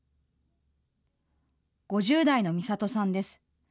５０代のみさとさんです。